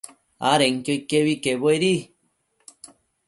adenquio iquebi quebuedi